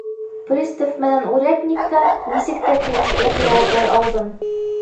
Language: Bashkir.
Пристав менән урядникка нисек тә килештереп яуаплай алдым.